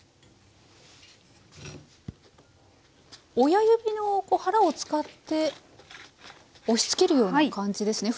親指の腹を使って押しつけるような感じですね